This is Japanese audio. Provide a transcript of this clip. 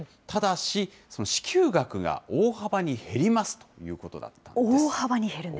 ただし、その支給額が大幅に減りますということだったんですね。